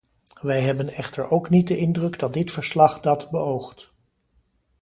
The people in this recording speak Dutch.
Wij hebben echter ook niet de indruk dat dit verslag dat beoogt.